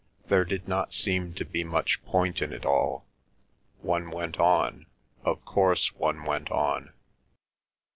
There did not seem to be much point in it all; one went on, of course one went on.